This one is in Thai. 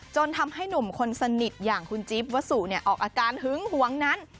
ทำให้หนุ่มคนสนิทอย่างคุณจิ๊บวัสสุออกอาการหึงหวงนั้น